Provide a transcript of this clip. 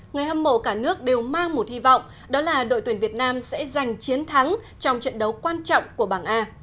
người hâm mộ cả nước đều mang một hy vọng đó là đội tuyển việt nam sẽ giành chiến thắng trong trận đấu quan trọng của bảng a